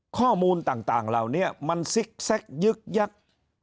ข้อมูลต่างเราเนี่ยมันซิกแซ่กยึกยักษ์